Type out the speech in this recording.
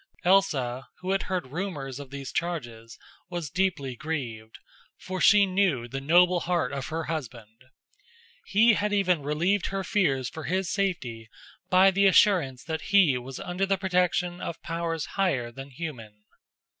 Elsa, who had heard rumors of these charges, was deeply grieved; for she knew the noble heart of her husband. He had even relieved her fears for his safety by the assurance that he was under the protection of powers higher than human.